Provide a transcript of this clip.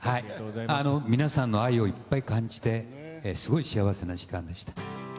皆さんの愛をいっぱい感じて、すごい幸せな時間でした。